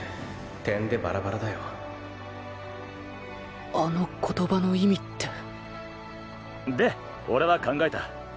てんでバラバラだよあの言葉の意味ってで俺は考えた。